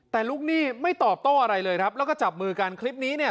แต่ลูกหนี้ไม่ตอบโต้อะไรเลยครับแล้วก็จับมือกันคลิปนี้เนี่ย